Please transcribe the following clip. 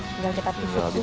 tinggal kita tusuk tusuk